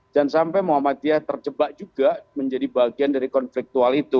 jangan sampai muhammadiyah terjebak juga menjadi bagian dari konfliktual itu